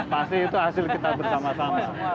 pasti itu hasil kita bersama sama